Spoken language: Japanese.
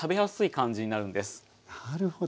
なるほど。